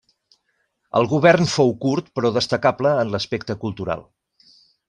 El govern fou curt però destacable en l'aspecte cultural.